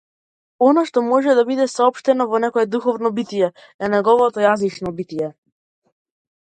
Она што може да биде соопштено во некое духовно битие е неговото јазично битие.